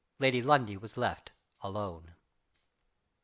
Lady Lundie was left alone.